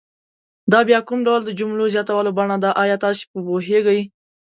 دا بیا کوم ډول د جملو زیاتولو بڼه ده آیا تاسې په پوهیږئ؟